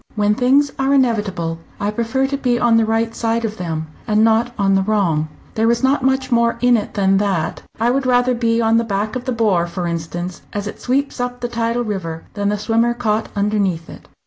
When things are inevitable, I prefer to be on the right side of them, and not on the wrong. There is not much more in it than that. I would rather be on the back of the 'bore' for instance, as it sweeps up the tidal river, than the swimmer caught underneath it."